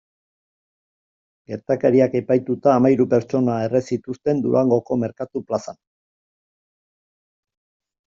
Gertakariak epaituta hamahiru pertsona erre zituzten Durangoko merkatu plazan.